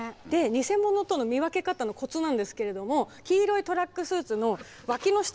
偽者との見分け方のコツなんですけれども黄色いトラックスーツのわきの下の線を入れ忘れてます。